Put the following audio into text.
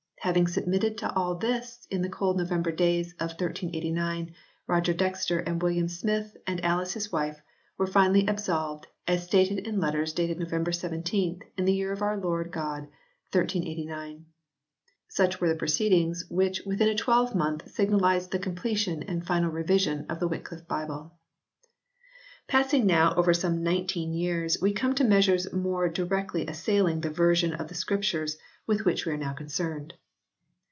Having submitted to all this in the cold November days of 1389 Roger Dexter and William Smith and Alice his wife were finally absolved as stated in letters dated November 17 in the year of our Lord God 1389. Such were the proceedings which within a twelvemonth signalised the completion and final revision of the Wyclifie Bible. Passing now over some nineteen years we come to measures more directly assailing the version of the Scriptures with which we are now concerned.